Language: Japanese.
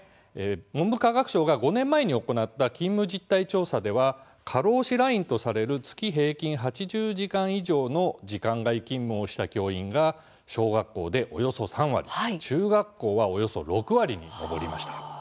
文部科学省が５年前に行った勤務実態調査では過労死ラインとされる月平均８０時間以上の時間外勤務をした教員が小学校でおよそ３割中学校ではおよそ６割に上りました。